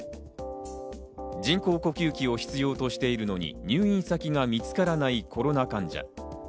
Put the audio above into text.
人工呼吸器を必要としているのに入院先が見つからないコロナ患者。